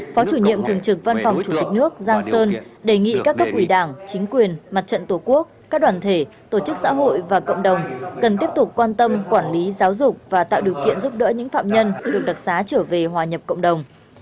phó chủ nhiệm thường trực văn phòng chủ tịch nước giang sơn đề nghị các cấp ủy đảng chính quyền mặt trận tổ quốc các đoàn thể tổ chức xã hội và cộng đồng cần tiếp tục quan tâm quản lý giáo dục và tạo điều kiện giúp đỡ những phạm nhân được đặc xá trở về hòa nhập cộng đồng